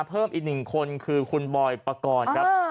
เพิ่มอีกหนึ่งคนคือคุณบอยปกรณ์ครับ